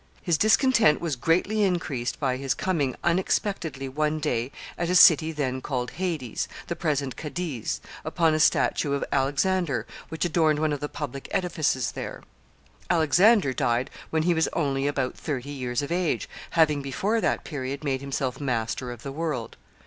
His discontent was greatly increased by his coming unexpectedly, one day, at a city then called Hades the present Cadiz upon a statue of Alexander, which adorned one of the public edifices there. Alexander died when he was only about thirty years of age, having before that period made himself master of the world.